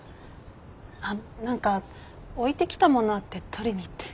あっ何か置いてきたものあって取りにって。